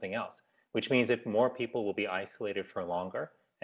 yang berarti jika lebih banyak orang akan terisolasi lebih lama